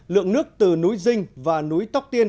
lượng nước từ núi dinh và núi tóc tiên